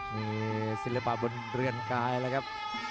มีศิลปะบนเรือนกายแล้วครับ